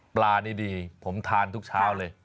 ปลานี่ดีผมทานทุกเช้าเลย